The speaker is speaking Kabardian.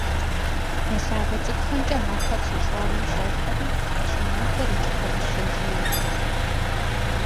Я лъагъуэ цӏыкӏухэмкӏэ ахэр щӏы щӏагъым щӏохьэри, щӏымахуэр икӏыху абы щожей.